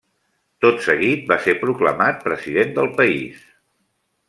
Tot seguit va ser proclamat president del país.